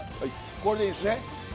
これでいいですね。